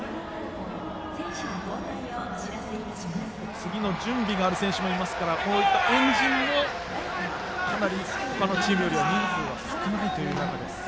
次の準備がある選手もいますから円陣もかなり他のチームよりは人数は少ないという。